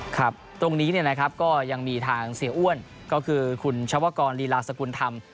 ครับตรงนี้ก็ยังมีทางเสียอ้วนก็คือคุณชาวกรลีลาสกุลธรรม